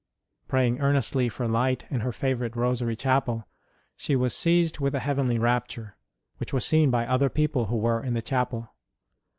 Praying earnestly for light in her favourite Rosary Chapel, she was seized with a heavenly rapture, 7 98 ST. ROSE OF LIMA which was seen by other people who were in the chapel.